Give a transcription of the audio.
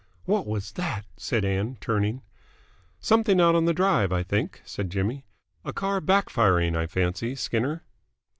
"What was that?" said Ann, turning. "Something out on the Drive, I think," said Jimmy. "A car back firing, I fancy, Skinner."